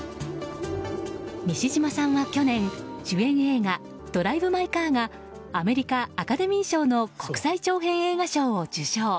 西島さんは去年、主演映画「ドライブ・マイ・カー」がアメリカ・アカデミー賞の国際長編映画賞を受賞。